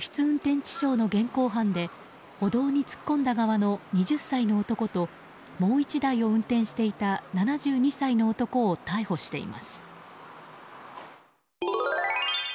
運転致傷の現行犯逮捕で歩道に突っ込んだ側の２０歳の男ともう１台を運転していた７２歳の男を逮捕しています。